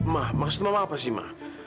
ma maksud mama apa sih ma